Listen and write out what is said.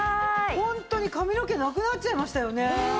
ホントに髪の毛なくなっちゃいましたよね。